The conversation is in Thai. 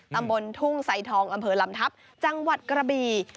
ตำบลทุ่งไซทองอำเภอลำทัพจังหวัดกระบี